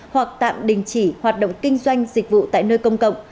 hoặc tạm đình chỉ hoạt động kinh doanh dịch vụ tại nơi công cộng